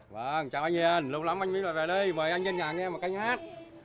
vâng chào anh hiền lâu lắm anh mới lại về đây mời anh lên nhà nghe một canh hát